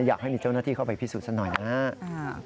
อยากให้มีเจ้าหน้าที่เข้าไปพิสูจนซะหน่อยนะครับ